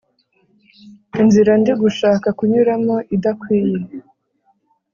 inzira ndigushaka kunyuramo idakwiye